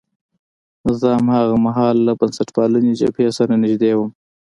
زه هاغه مهال له بنسټپالنې جبهې سره نژدې وم.